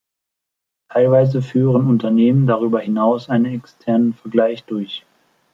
Teilweise führen Unternehmen darüber hinaus einen externen Vergleich durch.